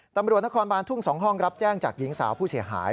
ตำรวจนครบานทุ่ง๒ห้องรับแจ้งจากหญิงสาวผู้เสียหาย